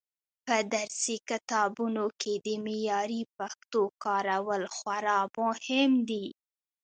په درسي کتابونو کې د معیاري پښتو کارول خورا مهم دي.